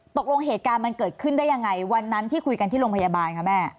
ตกลงเหตุการณ์มันเกิดขึ้นได้ยังไงวันนั้นที่คุยกันที่โรงพยาบาลคะแม่